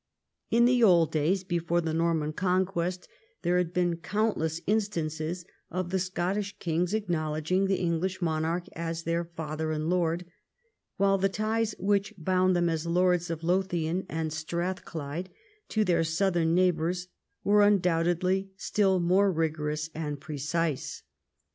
In the old days before the Norman Con quest, there had been countless instances of the Scottish kings acknowledging the English monarch as their father and lord ; while the ties which bound them, as lords of Lothian and Strathclyde, to their southern neighbours were undoubtedly still more rigorous and precise.